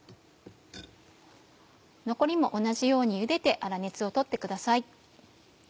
残りも同じようにゆでて粗熱を取ってください。